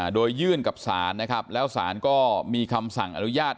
โดยยื่นกับสารแล้วสารก็มีคำสั่งอนุญาต